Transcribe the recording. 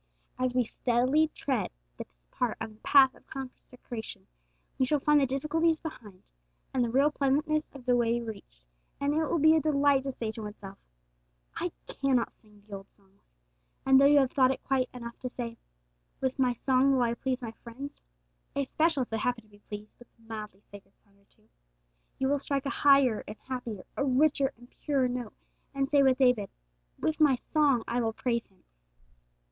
As we steadily tread this part of the path of consecration, we shall find the difficulties left behind, and the real pleasantness of the way reached, and it will be a delight to say to oneself, 'I cannot sing the old songs;' and though you have thought it quite enough to say, 'With my song will I please my friends,' especially if they happen to be pleased with a mildly sacred song or two, you will strike a higher and happier, a richer and purer note, and say with David, 'With my song will I praise Him.'